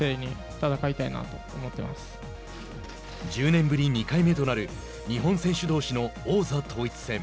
１０年ぶり２回目となる日本選手どうしの王座統一戦。